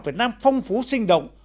việt nam phong phú sinh động